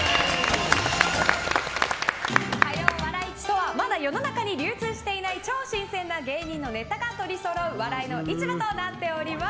市とはまだ世の中に流通していない超新鮮な芸人のネタが取りそろう笑いの市場となっております。